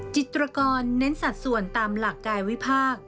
จิตรกรเน้นสัดส่วนตามหลักกายวิพากษ์